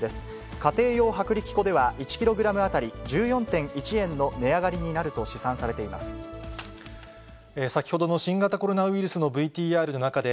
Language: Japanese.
家庭用薄力粉では１キログラム当たり１４．１円の値上がりになる先ほどの新型コロナウイルスのＶＴＲの中で、